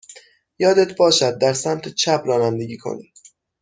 یادت باشد در سمت چپ رانندگی کنی.